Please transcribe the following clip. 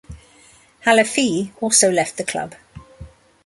Halafihi also left the club.